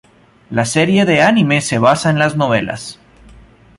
La serie de anime se basa en las novelas.